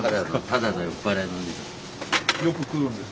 ただの酔っ払いのお兄さんです。